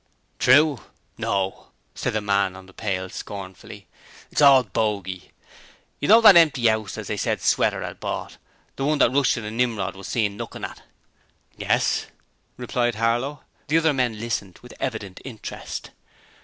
'True? No!' said the man on the pail scornfully. 'It's all bogy. You know that empty 'ouse as they said Sweater 'ad bought the one that Rushton and Nimrod was seen lookin' at?' 'Yes,' replied Harlow. The other men listened with evident interest.